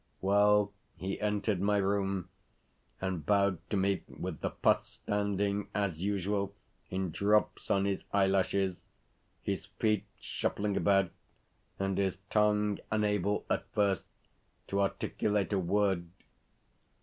Well, he entered my room, and bowed to me with the pus standing, as usual, in drops on his eyelashes, his feet shuffling about, and his tongue unable, at first, to articulate a word.